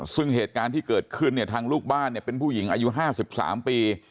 ซึ่งเหตุการณ์ที่เกิดขึ้นเนี่ยทางลูกบ้านเนี่ยเป็นผู้หญิงอายุ๕๓ปี